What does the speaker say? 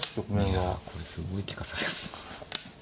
いやこれすごい利かされやすいな。